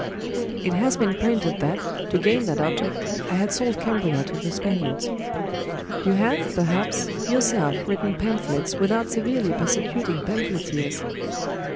"It has been printed that, to gain that object, I had sold Cambria to the Spaniards." "You have, perhaps, yourself written pamphlets without severely persecuting pamphleteers."